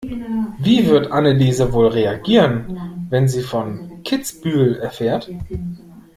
Wie wird Anneliese wohl reagieren, wenn sie von Kitzbühel erfährt?